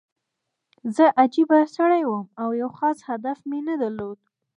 زه عجیبه سړی وم او یو خاص هدف مې نه درلود